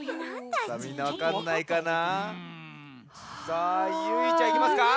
さあゆいちゃんいきますか。